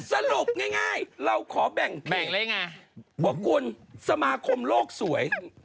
สรุปง่ายเราขอแบ่งแบ่งอะไรไงบอกคุณสมาคมโลกสวย